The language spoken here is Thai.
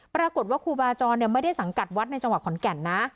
ปรากฏว่าครูบาจรไม่ได้สังกัดวัดในจังหวัดขอนแก่นนะ